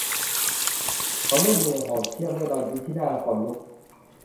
เขาลูบมืออย่างโหดเหี้ยมด้วยรอยยิ้มที่น่าขนลุก